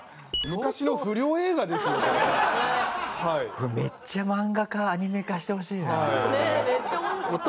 これめっちゃ漫画化アニメ化してほしいな。